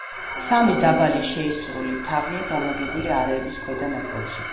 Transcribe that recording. სამი დაბალი შეისრული თაღია განლაგებული არეების ქვედა ნაწილშიც.